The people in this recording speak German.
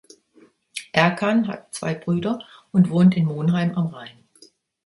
Ercan hat zwei Brüder und wohnt in Monheim am Rhein.